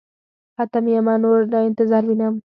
ختم يمه نور له انتظاره وينم.